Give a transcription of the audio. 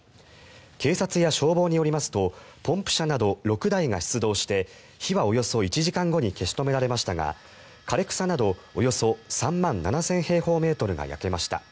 警察や消防によりますとポンプ車など６台が出動して火はおよそ１時間後に消し止められましたが枯れ草など、およそ３万７０００平方メートルが焼けました。